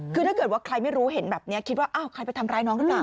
คือถ้าเกิดว่าใครไม่รู้เห็นแบบนี้คิดว่าอ้าวใครไปทำร้ายน้องหรือเปล่า